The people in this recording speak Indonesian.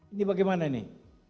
ini bagaimana nih